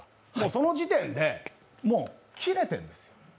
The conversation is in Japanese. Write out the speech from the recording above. その時点でもう切れてるんですよ。